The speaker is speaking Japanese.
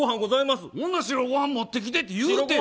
白ごはん持ってきてって言ってよ。